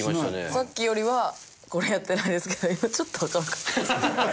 さっきよりはこれやってないですけど今ちょっと開かなかったです。